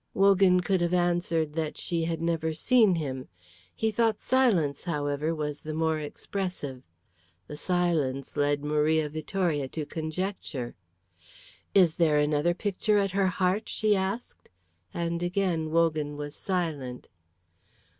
Wogan could have answered that she had never seen him. He thought silence, however, was the more expressive. The silence led Maria Vittoria to conjecture. "Is there another picture at her heart?" she asked, and again Wogan was silent.